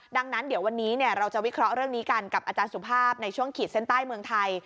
ดังนั้นเดี๋ยววันนี้เราจะวิเคราะห์เรื่องนี้กันกับอาจารย์สุภาพในช่วงขีดเส้นใต้เมืองไทย